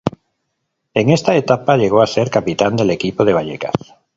En esta etapa llegó a ser capitán del equipo de Vallecas.